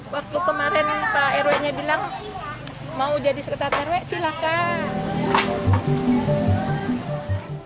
waktu kemarin pak rw nya bilang mau jadi sekretar rw silakan